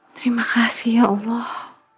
terima kasih ya allah